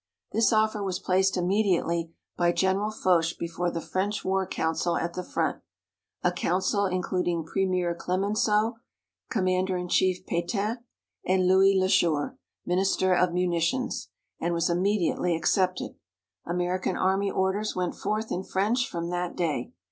This offer was placed immediately by General Foch before the French war council at the front, a council including Premier Clemenceau, Commander in Chief Pétain, and Louis Loucheur, Minister of Munitions, and was immediately accepted. American Army orders went forth in French from that day.